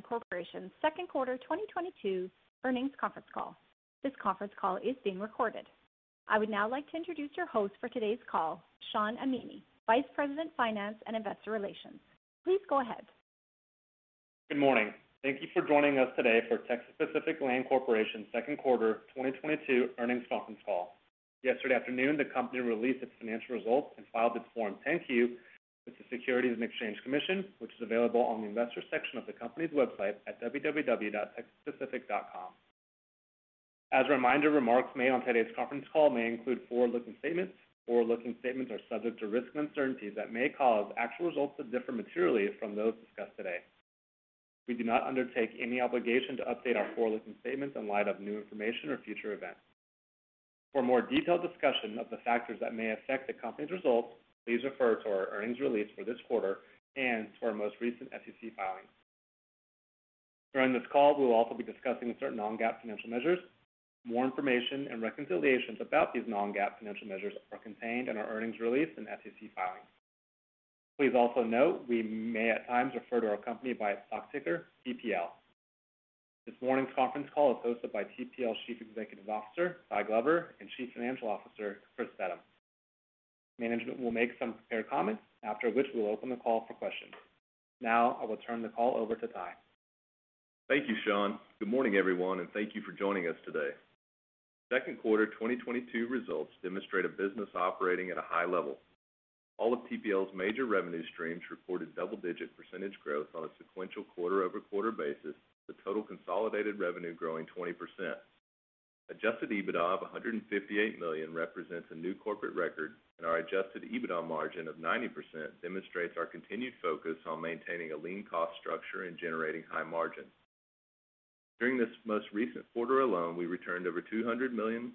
Land Corporation's second quarter 2022 earnings conference call. This conference call is being recorded. I would now like to introduce your host for today's call, Shawn Amini, Vice President, Finance and Investor Relations. Please go ahead. Good morning. Thank you for joining us today for Texas Pacific Land Corporation's second quarter 2022 earnings conference call. Yesterday afternoon, the company released its financial results and filed its Form 10-Q with the Securities and Exchange Commission, which is available on the investors section of the company's website at www.texaspacific.com. As a reminder, remarks made on today's conference call may include forward-looking statements. Forward-looking statements are subject to risks and uncertainties that may cause actual results to differ materially from those discussed today. We do not undertake any obligation to update our forward-looking statements in light of new information or future events. For a more detailed discussion of the factors that may affect the company's results, please refer to our earnings release for this quarter and to our most recent SEC filings. During this call, we will also be discussing certain non-GAAP financial measures. More information and reconciliations about these non-GAAP financial measures are contained in our earnings release and SEC filings. Please also note we may at times refer to our company by its stock ticker, TPL. This morning's conference call is hosted by TPL Chief Executive Officer, Tyler Glover, and Chief Financial Officer, Chris Steddum. Management will make some prepared comments, after which we'll open the call for questions. Now I will turn the call over to Ty. Thank you, Shawn. Good morning, everyone, and thank you for joining us today. Second quarter 2022 results demonstrate a business operating at a high level. All of TPL's major revenue streams reported double-digit % growth on a sequential quarter-over-quarter basis, with total consolidated revenue growing 20%. Adjusted EBITDA of $158 million represents a new corporate record, and our adjusted EBITDA margin of 90% demonstrates our continued focus on maintaining a lean cost structure and generating high margin. During this most recent quarter alone, we returned over $200 million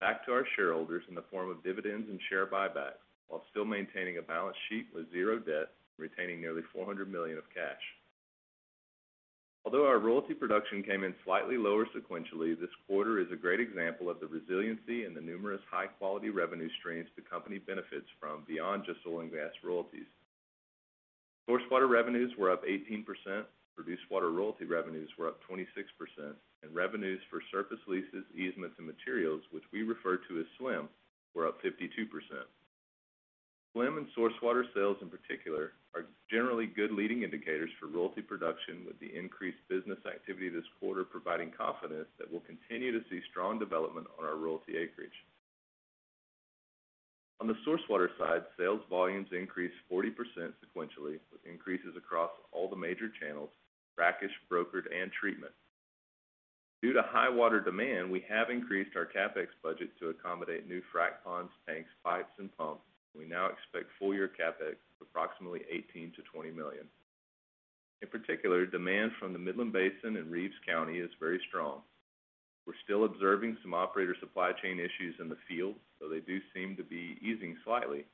back to our shareholders in the form of dividends and share buybacks, while still maintaining a balance sheet with zero debt and retaining nearly $400 million of cash. Although our royalty production came in slightly lower sequentially, this quarter is a great example of the resiliency and the numerous high-quality revenue streams the company benefits from beyond just oil and gas royalties. Source water revenues were up 18%, produced water royalty revenues were up 26%, and revenues for surface leases, easements, and materials, which we refer to as SWIM, were up 52%. SWIM and source water sales in particular are generally good leading indicators for royalty production, with the increased business activity this quarter providing confidence that we'll continue to see strong development on our royalty acreage. On the source water side, sales volumes increased 40% sequentially, with increases across all the major channels, frac, brokered, and treatment. Due to high water demand, we have increased our CapEx budget to accommodate new frac ponds, tanks, pipes, and pumps. We now expect full-year CapEx of approximately $18 million-$20 million. In particular, demand from the Midland Basin in Reeves County is very strong. We're still observing some operator supply chain issues in the field, though they do seem to be easing slightly.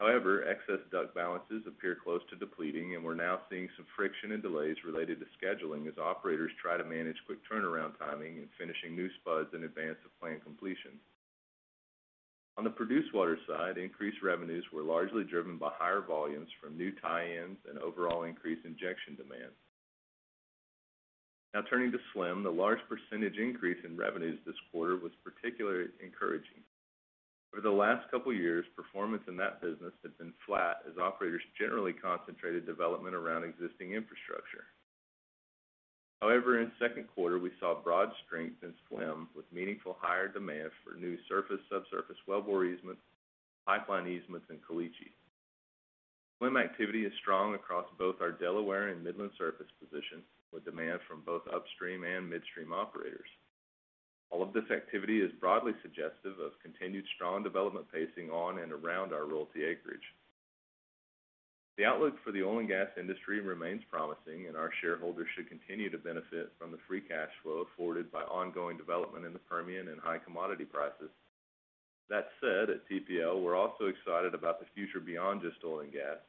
However, excess DUC balances appear close to depleting, and we're now seeing some friction and delays related to scheduling as operators try to manage quick turnaround timing and finishing new spuds in advance of planned completion. On the produced water side, increased revenues were largely driven by higher volumes from new tie-ins and overall increased injection demand. Now turning to SWIM, the large percentage increase in revenues this quarter was particularly encouraging. Over the last couple years, performance in that business had been flat as operators generally concentrated development around existing infrastructure. However, in second quarter, we saw broad strength in SWIM with meaningful higher demand for new surface, subsurface wellbore easements, pipeline easements, and caliche. SWIM activity is strong across both our Delaware and Midland surface positions, with demand from both upstream and midstream operators. All of this activity is broadly suggestive of continued strong development pacing on and around our royalty acreage. The outlook for the oil and gas industry remains promising, and our shareholders should continue to benefit from the free cash flow afforded by ongoing development in the Permian and high commodity prices. That said, at TPL, we're also excited about the future beyond just oil and gas,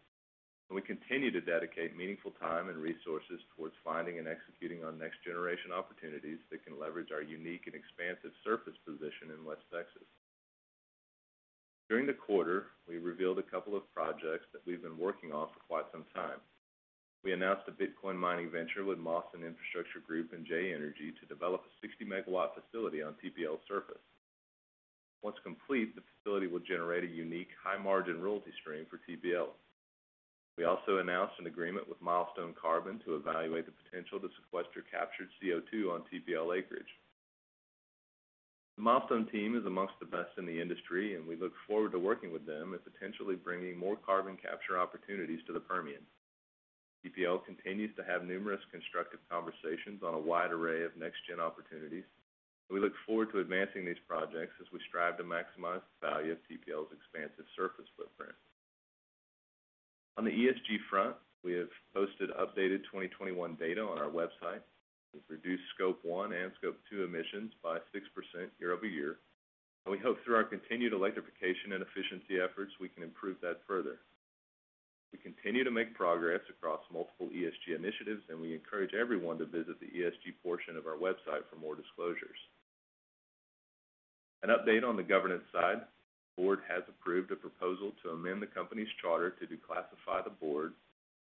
and we continue to dedicate meaningful time and resources towards finding and executing on next-generation opportunities that can leverage our unique and expansive surface position in West Texas. During the quarter, we revealed a couple of projects that we've been working on for quite some time. We announced a Bitcoin mining venture with Mawson Infrastructure Group and JAI Energy to develop a 60 MW facility on TPL's surface. Once complete, the facility will generate a unique high-margin royalty stream for TPL. We also announced an agreement with Milestone Carbon to evaluate the potential to sequester captured CO2 on TPL acreage. The Milestone team is among the best in the industry, and we look forward to working with them and potentially bringing more carbon capture opportunities to the Permian. TPL continues to have numerous constructive conversations on a wide array of next-gen opportunities. We look forward to advancing these projects as we strive to maximize the value of TPL's expansive surface footprint. On the ESG front, we have posted updated 2021 data on our website. We've reduced scope one and scope two emissions by 6% year-over-year. We hope through our continued electrification and efficiency efforts, we can improve that further. We continue to make progress across multiple ESG initiatives, and we encourage everyone to visit the ESG portion of our website for more disclosures. An update on the governance side. The board has approved a proposal to amend the company's charter to declassify the board,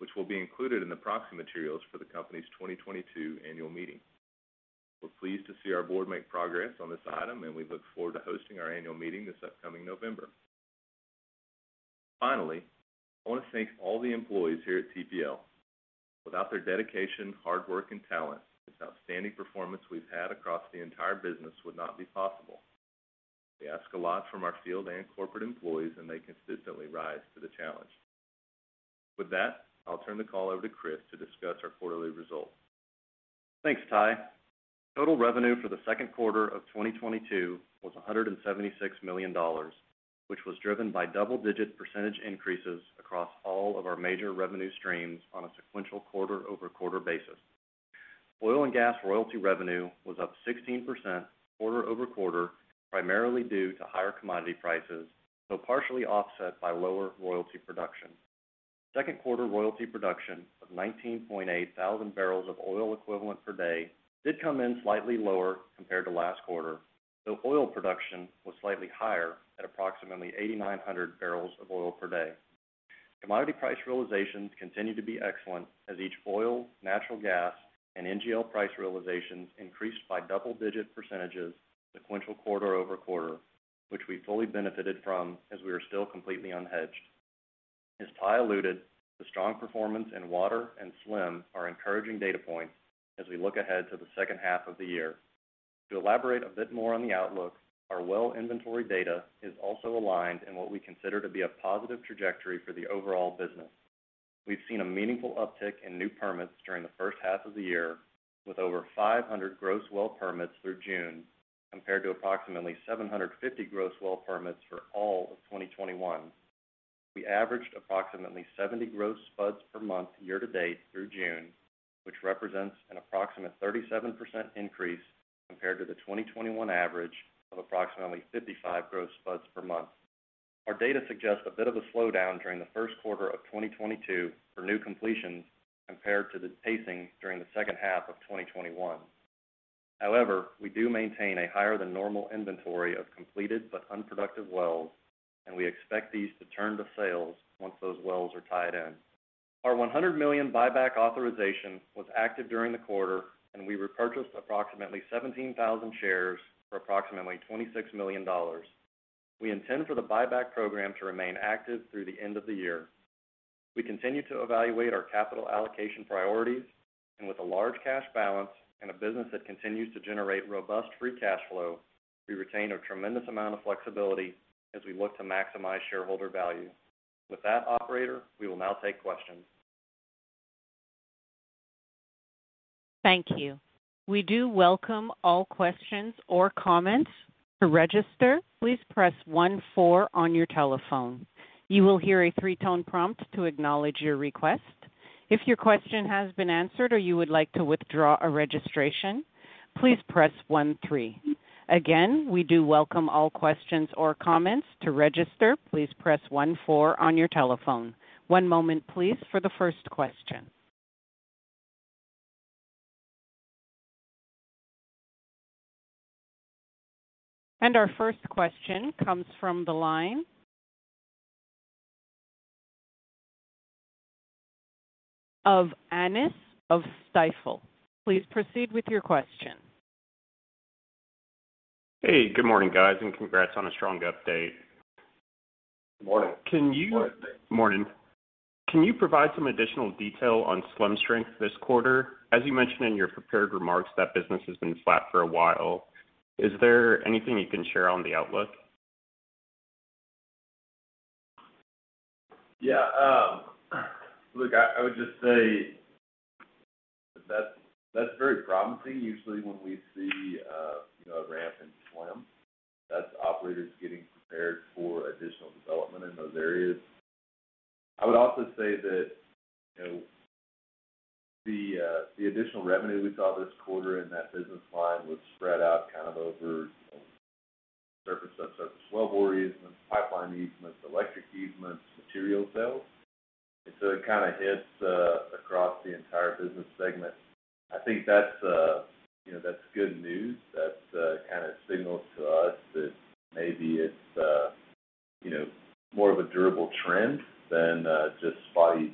which will be included in the proxy materials for the company's 2022 annual meeting. We're pleased to see our board make progress on this item, and we look forward to hosting our annual meeting this upcoming November. Finally, I want to thank all the employees here at TPL. Without their dedication, hard work, and talent, this outstanding performance we've had across the entire business would not be possible. We ask a lot from our field and corporate employees, and they consistently rise to the challenge. With that, I'll turn the call over to Chris to discuss our quarterly results. Thanks, Ty. Total revenue for the second quarter of 2022 was $176 million, which was driven by double-digit percentage increases across all of our major revenue streams on a sequential quarter-over-quarter basis. Oil and gas royalty revenue was up 16% quarter-over-quarter, primarily due to higher commodity prices, though partially offset by lower royalty production. Second quarter royalty production of 19,800 barrels of oil equivalent per day did come in slightly lower compared to last quarter, though oil production was slightly higher at approximately 8,900 barrels of oil per day. Commodity price realizations continue to be excellent as each oil, natural gas, and NGL price realizations increased by double-digit percentages quarter-over-quarter, which we fully benefited from as we are still completely unhedged. As Ty alluded, the strong performance in water and SWIM are encouraging data points as we look ahead to the second half of the year. To elaborate a bit more on the outlook, our well inventory data is also aligned in what we consider to be a positive trajectory for the overall business. We've seen a meaningful uptick in new permits during the first half of the year, with over 500 gross well permits through June, compared to approximately 750 gross well permits for all of 2021. We averaged approximately 70 gross spuds per month year to date through June, which represents an approximate 37% increase compared to the 2021 average of approximately 55 gross spuds per month. Our data suggests a bit of a slowdown during the first quarter of 2022 for new completions compared to the pacing during the second half of 2021. However, we do maintain a higher than normal inventory of completed but unproductive wells, and we expect these to turn to sales once those wells are tied in. Our $100 million buyback authorization was active during the quarter, and we repurchased approximately 17,000 shares for approximately $26 million. We intend for the buyback program to remain active through the end of the year. We continue to evaluate our capital allocation priorities, and with a large cash balance and a business that continues to generate robust free cash flow, we retain a tremendous amount of flexibility as we look to maximize shareholder value. With that, operator, we will now take questions. Thank you. We do welcome all questions or comments. To register, please press one four on your telephone. You will hear a three-tone prompt to acknowledge your request. If your question has been answered or you would like to withdraw a registration, please press one three. Again, we do welcome all questions or comments. To register, please press one four on your telephone. One moment, please, for the first question. Our first question comes from the line of Derrick Whitfield of Stifel. Please proceed with your question. Hey, good morning, guys, and congrats on a strong update. Morning. Can you- Morning. Morning. Can you provide some additional detail on SWIM strength this quarter? As you mentioned in your prepared remarks, that business has been flat for a while. Is there anything you can share on the outlook? Yeah. Look, I would just say that's very promising. Usually, when we see, you know, a ramp in SWIM, that's operators getting prepared for additional development in those areas. I would also say that, you know, the additional revenue we saw this quarter in that business line was spread out kind of over, you know, surface, subsurface, well bore easements, pipeline easements, electric easements, material sales. It kinda hits across the entire business segment. I think that's, you know, that's good news. That kinda signals to us that maybe it's, you know, more of a durable trend than just spotty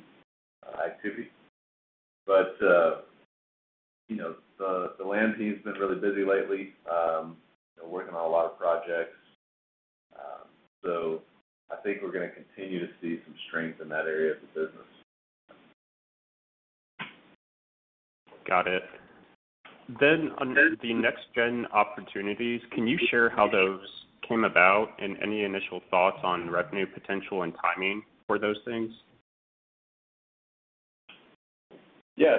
activity. The land team's been really busy lately, working on a lot of projects. I think we're gonna continue to see some strength in that area of the business. Got it. Under the next-gen opportunities, can you share how those came about and any initial thoughts on revenue potential and timing for those things? Yeah.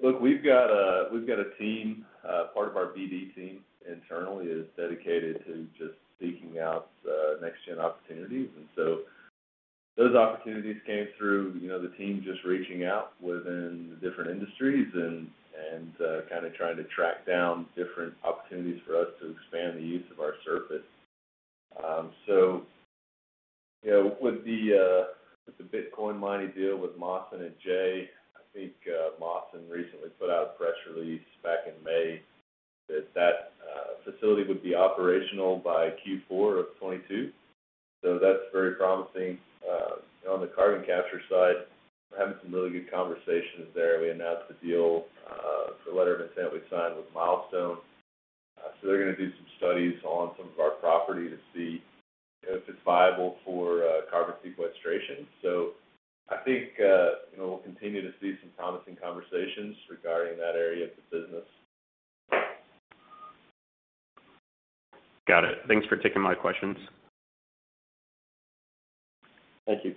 Look, we've got a team, part of our BD team internally is dedicated to just seeking out next-gen opportunities. Those opportunities came through, you know, the team just reaching out within the different industries and kinda trying to track down different opportunities for us to expand the use of our surface. You know, with the Bitcoin mining deal with Mawson and JAI Energy, I think Mawson recently put out a press release back in May that facility would be operational by Q4 of 2022. That's very promising. On the carbon capture side, we're having some really good conversations there. We announced the deal, the letter of intent we signed with Milestone Carbon. They're gonna do some studies on some of our property to see if it's viable for carbon sequestration. I think, you know, we'll continue to see some promising conversations regarding that area of the business. Got it. Thanks for taking my questions. Thank you.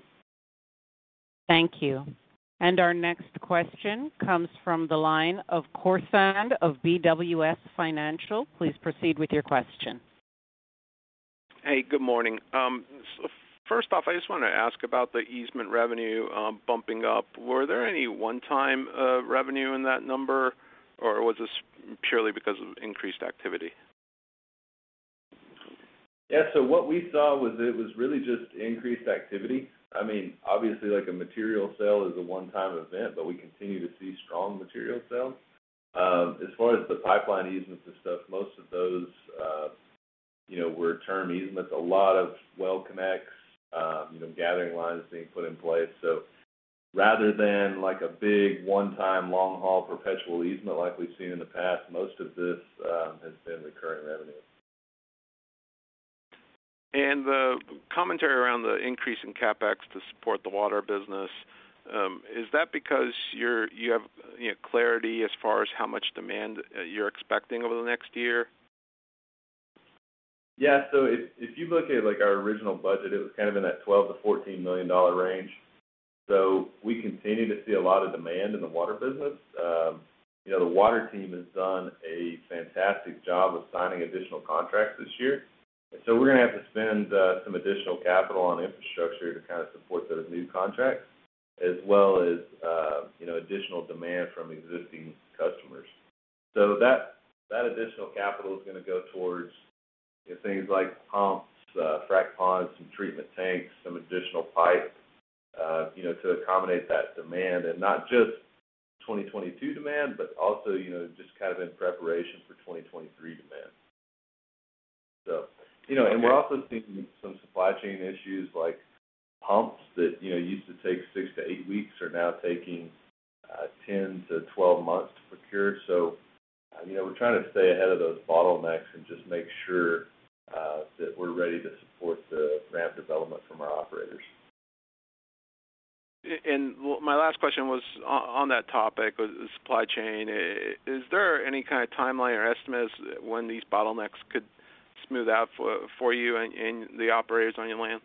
Thank you. Our next question comes from the line of Hamed Khorsand of BWS Financial. Please proceed with your question. Hey, good morning. First off, I just wanna ask about the easement revenue bumping up. Were there any one-time revenue in that number, or was this purely because of increased activity? Yeah. What we saw was it was really just increased activity. I mean, obviously like a material sale is a one-time event, but we continue to see strong material sales. As far as the pipeline easements and stuff, most of those, you know, were term easements, a lot of well connects, you know, gathering lines being put in place. Rather than like a big one-time long-haul perpetual easement like we've seen in the past, most of this has been recurring revenue. The commentary around the increase in CapEx to support the water business, is that because you have, you know, clarity as far as how much demand you're expecting over the next year? Yeah. If you look at, like, our original budget, it was kind of in that $12-$14 million range. We continue to see a lot of demand in the water business. You know, the water team has done a fantastic job of signing additional contracts this year. We're gonna have to spend some additional capital on infrastructure to kinda support those new contracts as well as you know, additional demand from existing customers. That additional capital is gonna go towards things like pumps, frac ponds, some treatment tanks, some additional pipe, you know, to accommodate that demand. Not just 2022 demand, but also, you know, just kind of in preparation for 2023 demand. You know, we're also seeing some supply chain issues like pumps that, you know, used to take 6-8 weeks are now taking 10-12 months to procure. You know, we're trying to stay ahead of those bottlenecks and just make sure that we're ready to support the ramp development from our operators. My last question was on that topic, the supply chain. Is there any kind of timeline or estimates when these bottlenecks could smooth out for you and the operators on your land?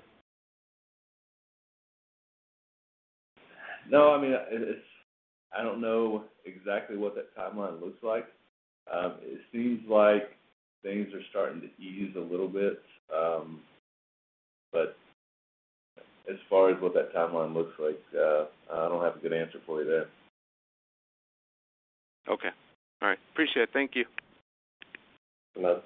No, I mean, I don't know exactly what that timeline looks like. It seems like things are starting to ease a little bit, but as far as what that timeline looks like, I don't have a good answer for you there. Okay. All right. Appreciate it. Thank you. You're welcome.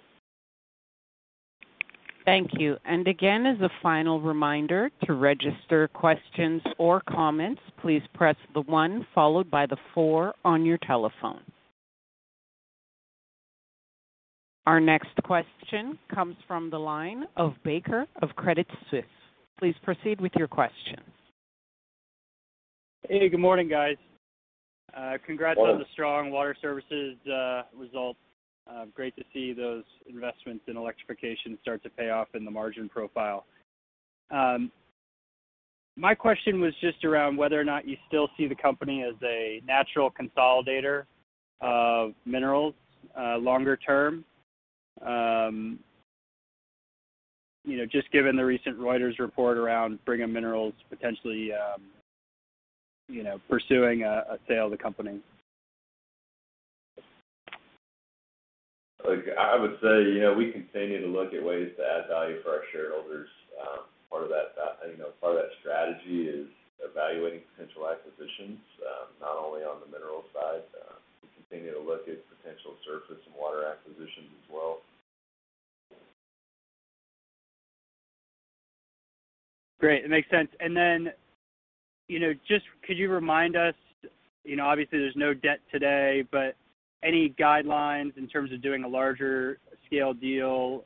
Thank you. Again, as a final reminder, to register questions or comments, please press the one followed by the four on your telephone. Our next question comes from the line of Baker of Credit Suisse. Please proceed with your question. Hey, good morning, guys. Morning. Congrats on the strong water services results. Great to see those investments in electrification start to pay off in the margin profile. My question was just around whether or not you still see the company as a natural consolidator of minerals longer term. You know, just given the recent Reuters report around Brigham Minerals potentially, you know, pursuing a sale of the company. Look, I would say, you know, we continue to look at ways to add value for our shareholders. Part of that, you know, part of that strategy is evaluating potential acquisitions, not only on the minerals side. We continue to look at potential surface and water acquisitions as well. Great. It makes sense. You know, just could you remind us, you know, obviously there's no debt today, but any guidelines in terms of doing a larger scale deal,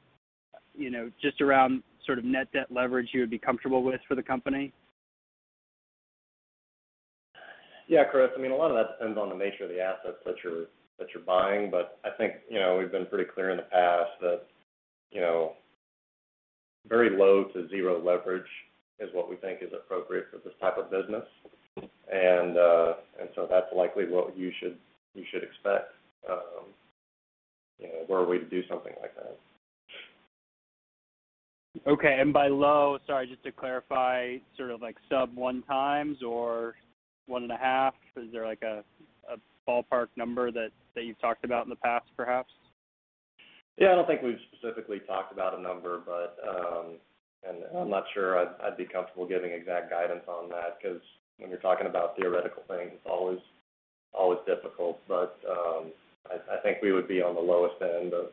you know, just around sort of net debt leverage you would be comfortable with for the company? Yeah, Chris, I mean, a lot of that depends on the nature of the assets that you're buying. I think, you know, we've been pretty clear in the past that, you know, very low to zero leverage is what we think is appropriate for this type of business. That's likely what you should expect, you know, were we to do something like that. Okay. Below, sorry, just to clarify, sort of like sub 1x or 1.5x? Is there like a ballpark number that you've talked about in the past perhaps? Yeah, I don't think we've specifically talked about a number, but I'm not sure I'd be comfortable giving exact guidance on that 'cause when you're talking about theoretical things, it's always difficult. I think we would be on the lowest end of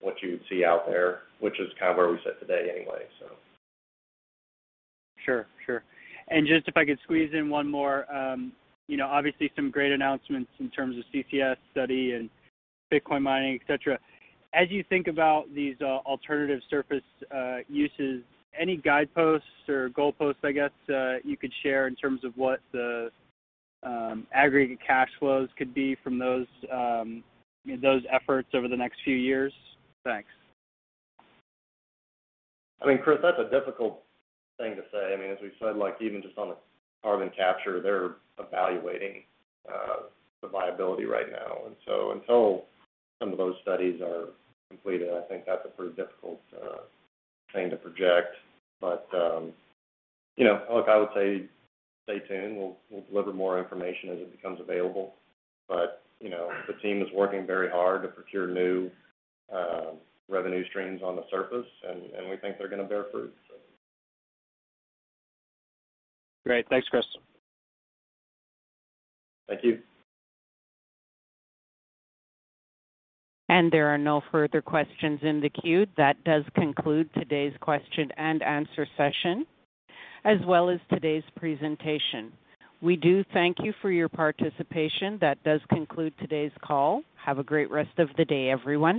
what you would see out there, which is kind of where we sit today anyway, so. Sure. Just if I could squeeze in one more. You know, obviously some great announcements in terms of CCS study and Bitcoin mining, et cetera. As you think about these, alternative surface uses, any guideposts or goalposts, I guess, you could share in terms of what the aggregate cash flows could be from those efforts over the next few years? Thanks. I mean, Chris, that's a difficult thing to say. I mean, as we've said, like even just on the carbon capture, they're evaluating the viability right now. Until some of those studies are completed, I think that's a pretty difficult thing to project. You know, look, I would say stay tuned. We'll deliver more information as it becomes available. You know, the team is working very hard to procure new revenue streams on the surface, and we think they're gonna bear fruit. Great. Thanks, Chris. Thank you. There are no further questions in the queue. That does conclude today's question and answer session as well as today's presentation. We do thank you for your participation. That does conclude today's call. Have a great rest of the day, everyone.